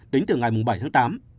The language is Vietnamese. tính từ ngày bảy tháng tám